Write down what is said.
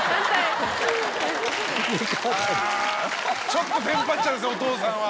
ちょっとテンパっちゃうんですお父さんは。